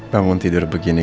bangun tidur begini